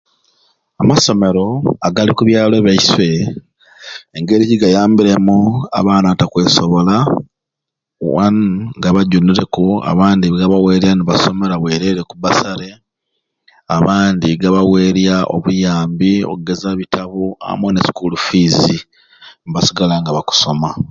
Amasomero agali oku byalo byeswei engeri gyegayambiremu abaana abatakwesobola wanu gabajunireku abandi gabaweerya ni basomera bwereere ku bbasare abandi gabaweerya obuyambi ogeza bitabo amwei n'esukuulu fiizi mbasigala nga bakusoma.